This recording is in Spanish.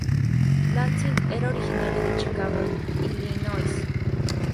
Lansing era originario de Chicago, Illinois.